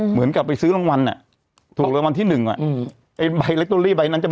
เหมือนกับไปซื้อรางวัลน่ะ